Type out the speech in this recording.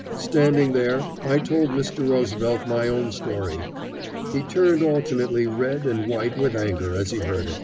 Standing there, I told Mr. Roosevelt my own story. He turned alternately red and white with anger as he heard it.